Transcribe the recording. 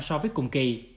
số liệu đáng chú ý